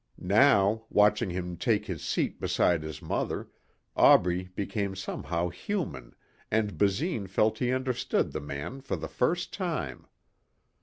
Now, watching him take his seat beside his mother, Aubrey became somehow human and Basine felt he understood the man for the first time.